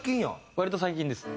割と最近です。